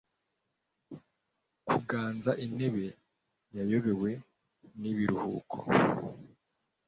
Kuganza intebe yayobewe nibiruhuko